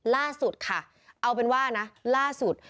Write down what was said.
ล่าสุดค่ะเอาเป็นว่านะล่าสุด